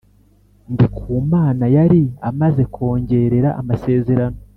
ndikumana yari amaze kongerera amasezerano